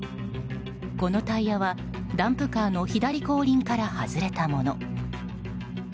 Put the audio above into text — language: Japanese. このタイヤはダンプカーの左後輪から外れたもの。